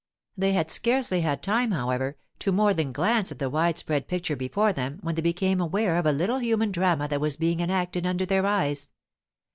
They had scarcely had time, however, to more than glance at the wide spread picture before them when they became aware of a little human drama that was being enacted under their eyes.